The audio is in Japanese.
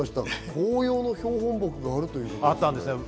紅葉の標本木もあるということですね。